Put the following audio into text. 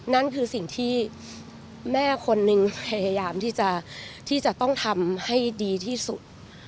นั่นคือสิ่งที่แม่คนหนึ่งพยายามที่จะต้องทำให้ดีที่สุด